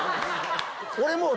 俺もう。